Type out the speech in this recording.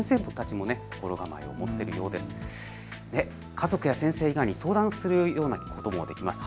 家族や先生以外に相談するようなこともできます。